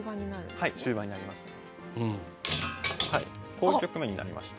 こういう局面になりまして。